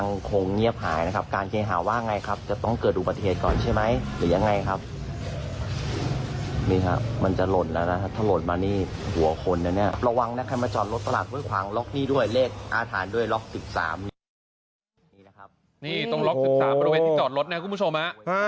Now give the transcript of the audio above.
นี่ตรงล็อก๑๓เป็นเรื่อยที่จอดรถนะครับคุณผู้ชมฮะ